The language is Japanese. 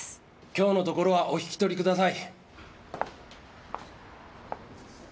今日のところはお引き取りください。